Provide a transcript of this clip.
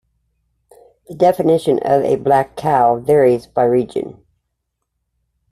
The definition of a black cow varies by region.